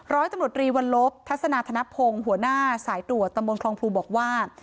ร้อยตำรวจรีวัลลบทัศนาธนพงศ์หัวหน้าสายตรวจตำบลคลองพลูบอกว่า